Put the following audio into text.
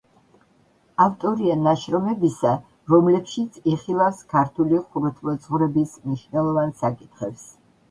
ავტორია ნაშრომებისა, რომლებშიც იხილავს ქართული ხუროთმოძღვრების მნიშვნელოვან საკითხებს.